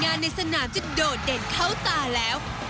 ในสนามจะโดดเด่นเข้าตาแล้ว